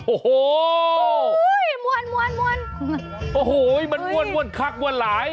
โอ้โฮมวนมวนมวนโอ้โฮมันมวนมวนคักมวนหลาย